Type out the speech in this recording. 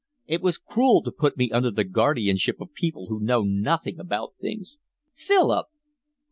It was cruel to put me under the guardianship of people who know nothing about things." "Philip."